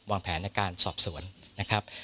วางแผนในการสอบสวนนะครับ